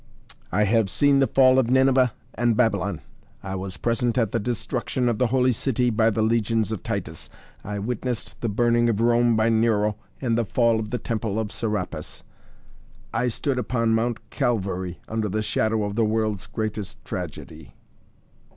"I have seen the fall of Nineveh and Babylon. I was present at the destruction of the Holy City by the legions of Titus, I witnessed the burning of Rome by Nero and the fall of the temple of Serapis. I stood upon Mount Calvary under the shadow of the world's greatest tragedy."